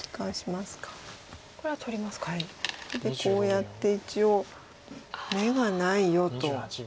こうやって一応眼がないよと。